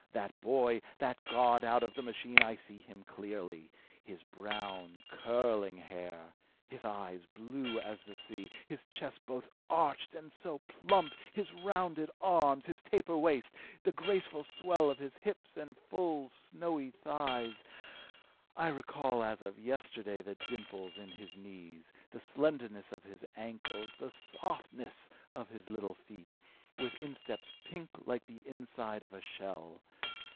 That boy, that god out of the machine, I see him clearly: his brown, curling hair; his eyes blue as the sea; his chest both arched and so plump, his rounded arms, his taper waist, the graceful swell of his hips and full, snowy thighs; I recall as of yesterday the dimples in his knees, the slenderness of his ankles, the softness of his little feet, with insteps pink like the inside of a shell.